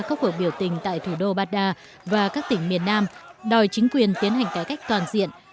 các cuộc biểu tình tại thủ đô baghdad và các tỉnh miền nam đòi chính quyền tiến hành cải cách toàn diện